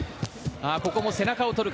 ここも背中を取る形。